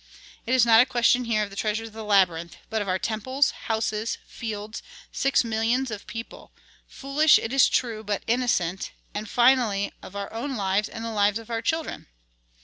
It is not a question here of the treasures of the labyrinth, but of our temples, houses, fields, six millions of people, foolish, it is true, but innocent, and finally of our own lives and the lives of our children."